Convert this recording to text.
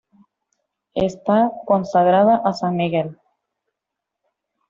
Está consagrada a San Miguel.